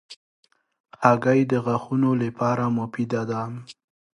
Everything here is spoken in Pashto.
هګۍ د غاښونو لپاره مفیده ده.